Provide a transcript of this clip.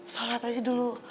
soal tahu dulu